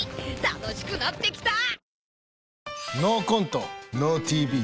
楽しくなってきた！